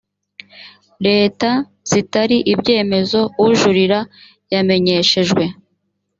leta zitari ibyemezo ujurira yamenyeshejwe